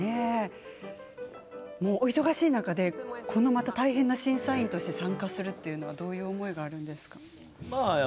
お忙しい中で大変な審査員として参加するのはどういう思いがあるんですか？